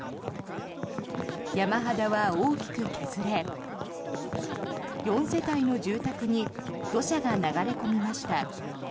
山肌は大きく削れ４世帯の住宅に土砂が流れ込みました。